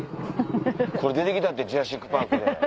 これ出て来たって『ジュラシック・パーク』で。